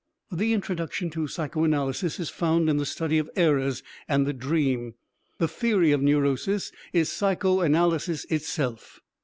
The introduction to psychoanalysis is found in the study of errors and the dream; the theory of neurosis is psychoanalysis itself.